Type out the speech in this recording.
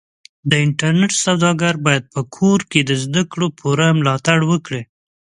د انټرنېټ سوداګر بايد په کور کې د زدهکړو پوره ملاتړ وکړي.